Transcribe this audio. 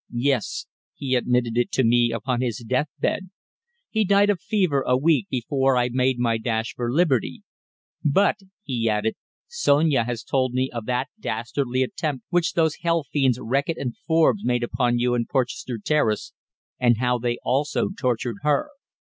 "Yes. He admitted it to me upon his death bed. He died of fever a week before I made my dash for liberty. But," he added, "Sonia has told me of that dastardly attempt which those hell fiends Reckitt and Forbes made upon you in Porchester Terrace, and how they also tortured her.